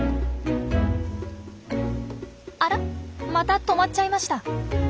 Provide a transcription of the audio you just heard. あらまた止まっちゃいました。